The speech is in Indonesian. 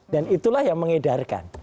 dan itulah yang mengedarkan